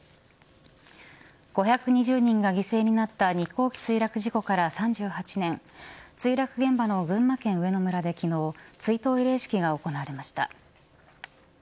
５２０人が犠牲になった日航機墜落事故から３８年墜落現場の群馬県上野村で昨日追悼慰霊式が行われました。